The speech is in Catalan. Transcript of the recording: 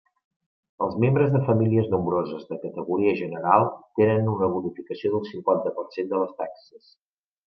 Els membres de famílies nombroses de categoria general tenen una bonificació del cinquanta per cent de les taxes.